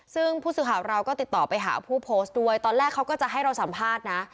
ซึ่งผู้สื่อข่าวเราก็ติดต่อไปหาผู้โพสต์ด้วยตอนแรกเขาก็จะให้เราสัมภาษณ์นะ